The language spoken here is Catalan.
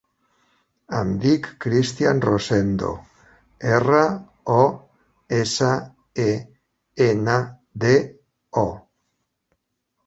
Em dic Cristián Rosendo: erra, o, essa, e, ena, de, o.